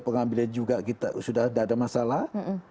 pengambilan juga kita sudah tidak ada masalah